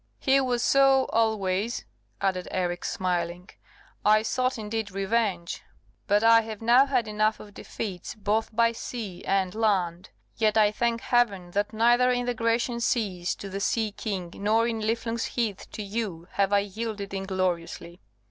"He was so always," added Eric, smiling; "I sought, indeed, revenge; but I have now had enough of defeats both by sea and land. Yet I thank Heaven that neither in the Grecian seas, to the sea king, nor in Niflung's Heath, to you, have I yielded ingloriously."